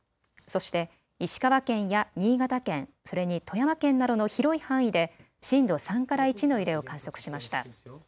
そして石川県や新潟県、それに富山県などの広い範囲で震度３から１の揺れを観測しました。